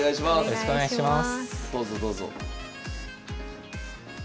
よろしくお願いします。